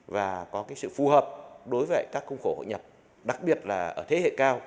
và có sự phù hợp đối với các khung khổ hội nhập đặc biệt là ở thế hệ cao